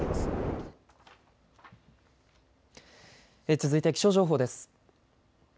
続いて気象情報です。